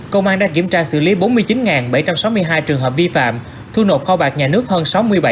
công an đã kiểm tra xử lý bốn mươi chín bảy trăm sáu mươi hai trường hợp vi phạm thu nộp kho bạc nhà nước hơn sáu mươi bảy